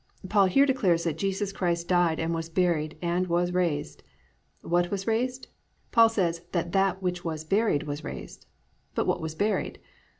"+ Paul here declares that Jesus Christ died and was buried and was raised. What was raised? Paul says, that that which "was buried" was raised. But what was buried?